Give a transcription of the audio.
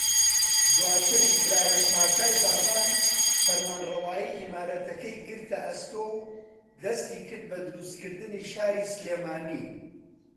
دواتر ئیبراھیم پاشای بابان فەرمانڕەوایی ئیمارەتەکەی گرتە ئەستۆ و دەستیکرد بە دروستکردنی شاری سلێمانی